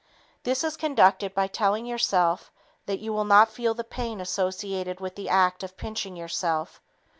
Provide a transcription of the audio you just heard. This is conducted by telling yourself that you will not feel the pain associated with the act of pinching yourself.